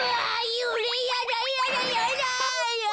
ゆうれいやだやだやだ。